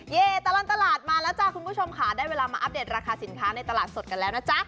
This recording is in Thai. ตลอดตลาดมาแล้วจ้าคุณผู้ชมค่ะได้เวลามาอัปเดตราคาสินค้าในตลาดสดกันแล้วนะจ๊ะ